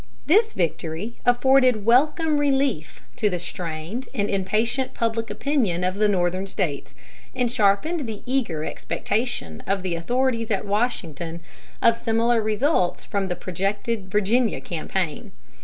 This victory afforded welcome relief to the strained and impatient public opinion of the Northern States, and sharpened the eager expectation of the authorities at Washington of similar results from the projected Virginia campaign.